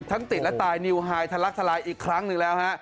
ทั้งติดแล้วตายดิงฮายอีกครั้งแล้วฮะ